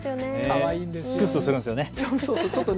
かわいいですね。